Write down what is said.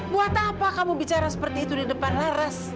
buat apa kamu bicara seperti itu di depan laras